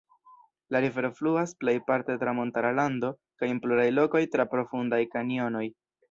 La rivero fluas plejparte tra montara lando kaj en pluraj lokoj tra profundaj kanjonoj.